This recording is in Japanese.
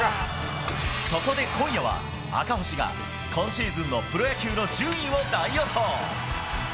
そこで今夜は、赤星が今シーズンのプロ野球の順位を大予想。